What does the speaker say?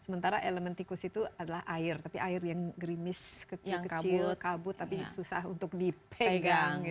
sementara elemen tikus itu adalah air tapi air yang gerimis kecil kecil kabut tapi susah untuk dipegang